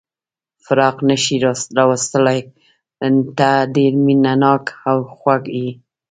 فراق نه شي راوستلای، ته ډېر مینه ناک او خوږ یې.